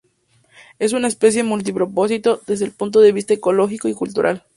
Es una especie multipropósito, desde el punto de vista ecológico y cultural.